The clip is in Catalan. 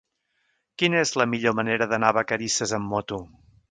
Quina és la millor manera d'anar a Vacarisses amb moto?